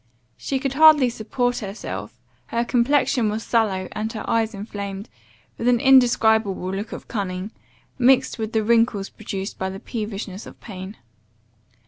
] She could hardly support herself, her complexion was sallow, and her eyes inflamed, with an indescribable look of cunning, mixed with the wrinkles produced by the peevishness of pain.